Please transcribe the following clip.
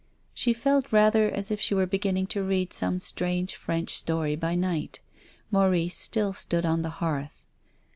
She felt rather as if she were beginning to read some strange French story by night. Maurice still stood on the hearth.